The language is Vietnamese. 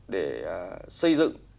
để xây dựng